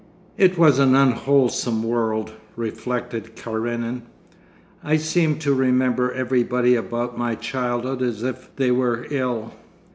'It was an unwholesome world,' reflected Karenin. 'I seem to remember everybody about my childhood as if they were ill.